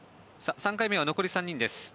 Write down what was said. ３回目は残り３人です。